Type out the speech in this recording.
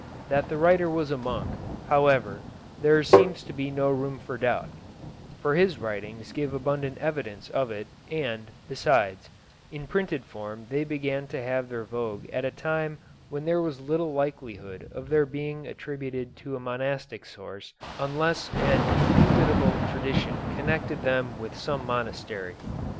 That the writer was a monk, however, there seems to be no room for doubt, for his writings give abundant evidence of it, and, besides, in printed form they began to have their vogue at a time when there was little likelihood of their being attributed to a monastic source, unless an indubitable tradition connected them with some monastery.